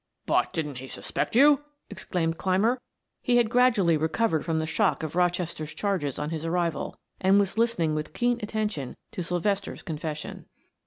"But didn't he suspect you?" exclaimed Clymer. He had gradually recovered from the shock of Rochester's charges on his arrival, and was listening with keen attention to Sylvester's confession.